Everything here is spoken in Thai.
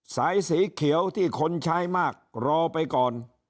สายสีเขียวที่คนใช้มากรอไปก่อน